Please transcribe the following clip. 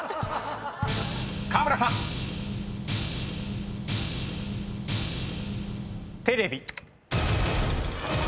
［河村さん］テレビ。